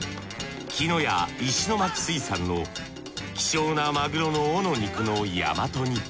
木の屋石巻水産の希少なまぐろの尾の肉の大和煮。